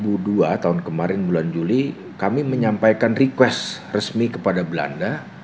tahun dua ribu dua tahun kemarin bulan juli kami menyampaikan request resmi kepada belanda